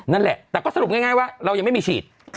นั่นแหละแต่ก็สรุปง่ายว่าเรายังไม่มีฉีด